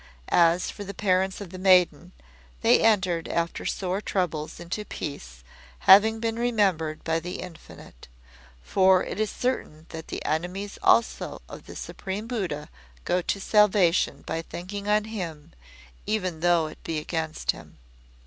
As for the parents of the maiden, they entered after sore troubles into peace, having been remembered by the Infinite. For it is certain that the enemies also of the Supreme Buddha go to salvation by thinking on Him, even though it be against Him.